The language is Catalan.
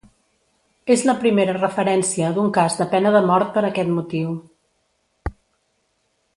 És la primera referència d'un cas de pena de mort per aquest motiu.